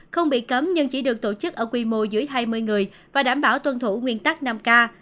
không bị cấm nhưng chỉ được tổ chức ở quy mô dưới hai mươi người và đảm bảo tuân thủ nguyên tắc năm k